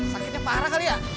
sakitnya parah kali ya